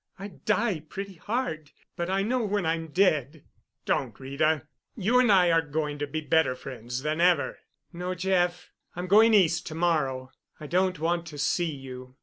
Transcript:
I die pretty hard, but I know when I'm dead." "Don't, Rita; you and I are going to be better friends than ever." "No, Jeff, I'm going East to morrow. I don't want to see you.